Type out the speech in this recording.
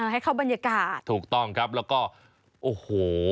ให้เข้าบรรยากาศถูกต้องครับแล้วก็โอ้โห